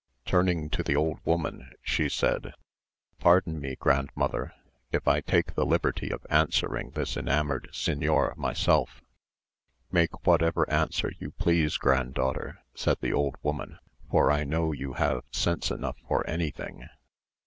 Turning to the old woman, she said, "Pardon me, grandmother, if I take the liberty of answering this enamoured señor myself." "Make whatever answer you please, granddaughter," said the old woman, "for I know you have sense enough for anything."